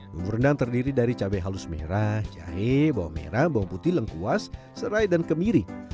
bumbu rendang terdiri dari cabai halus merah jahe bawang merah bawang putih lengkuas serai dan kemiri